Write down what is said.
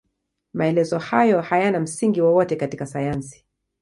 Maelezo hayo hayana msingi wowote katika sayansi.